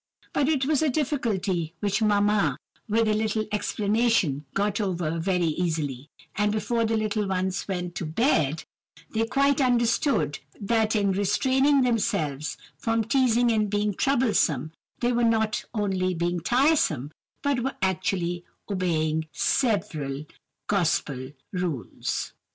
But it was a difficulty which mamma, with a little explanation, got over very easily; and before the little ones went to bed, they quite understood that in restraining themselves from teazing and being troublesome, they were not only not being "tiresome," but were actually obeying several Gospel rules.